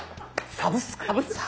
サブスク。